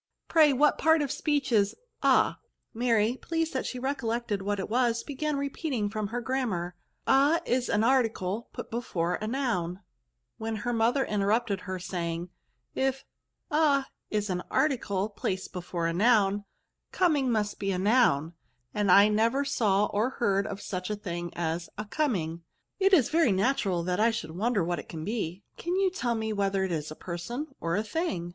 " Pray what part of speech is a ?" Mary, pleased that she recollected what it was, began repeating from her granunar, " A is a narticle put before a noun," — when her mother interrupted her, saying, " If a is an article placed before a noun, coming must be a noun; and as I never saw or heard of such a thing as a coming ^ it is very natural that I should wonder what it can be : can you tell me whether it is a person or a thing?"